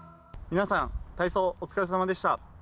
皆さん、体操お疲れさまでした。